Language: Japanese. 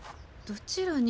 「どちらに？」